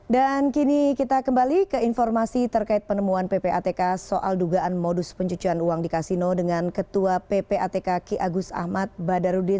dan kini kita kembali ke informasi terkait penemuan ppatk soal dugaan modus pencucian uang di kasino dengan ketua ppatk ki agus ahmad badarudin